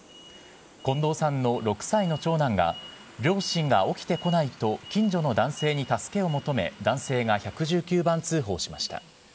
近藤さんの６歳の長男が両親が起きてこないと近所の男性に助けを求め、男性が１１９番通報しました。